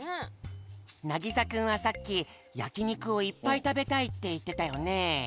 なぎさくんはさっきやきにくをいっぱいたべたいっていってたよね。